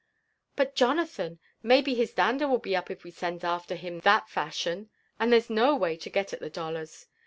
But, Jonathan, maybe his dander will be up if we sends after him that fashion ; and that's no way to get at the dollars.